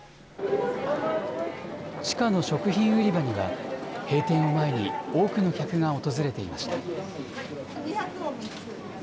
地下の食品売り場には、閉店を前に多くの客が訪れていました。